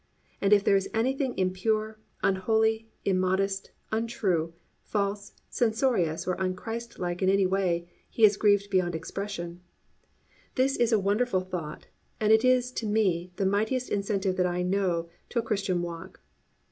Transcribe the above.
And if there is anything impure, unholy, immodest, untrue, false, censorious, or unChristlike in any way, He is grieved beyond expression. This is a wonderful thought and it is to me the mightiest incentive that I know to a Christian walk.